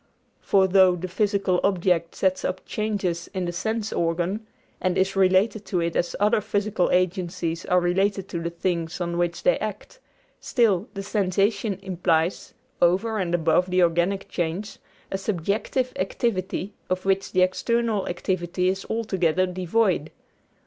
For though the physical object sets up changes in the sense organ, and is related to it as other physical agencies are related to the things on which they act, still, the sensation implies, over and above the organic change, a subjective activity of which the external activity is altogether devoid.